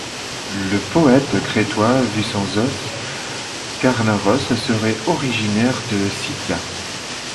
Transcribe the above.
Le poète crétois Vicenzos Kornaros serait originaire de Sitía.